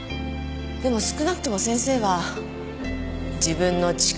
でも少なくとも先生は自分の力のなさを知ってる。